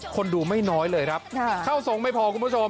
คนดูไม่น้อยเลยครับเข้าทรงไม่พอคุณผู้ชม